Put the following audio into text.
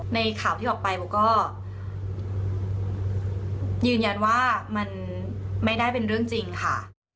ข่าวที่ออกไปโบก็ยืนยันว่ามันไม่ได้เป็นเรื่องจริงค่ะ